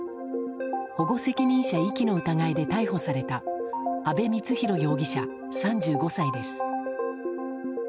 保護責任者遺棄の疑いで逮捕された阿部光浩容疑者、３５歳です。